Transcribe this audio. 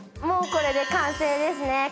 もうこれで完成ですね。